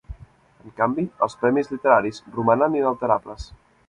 En canvi, els premis literaris romanen inalterables.